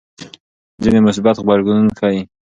ځینې مثبت غبرګون ښيي.